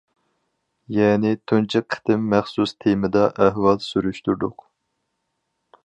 يەنى تۇنجى قېتىم مەخسۇس تېمىدا ئەھۋال سۈرۈشتۈردۇق.